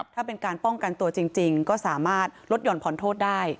ถ้าเป็นการป้องกันตัวจริงก็สามารถลดหย่อนผ่อนโทษได้